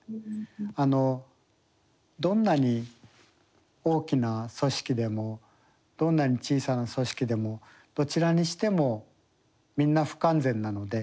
あのどんなに大きな組織でもどんなに小さな組織でもどちらにしてもみんな不完全なので。